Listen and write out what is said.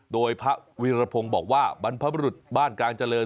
โดยพระวีรพงศ์บอกว่าบรรพบรุษบ้านกลางเจริญ